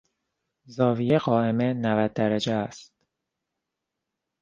زاویهی قائمه نود درجه است.